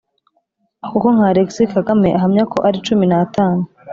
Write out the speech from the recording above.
kuko nka Alexis Kagame ahamya ko ari cumi n’atanu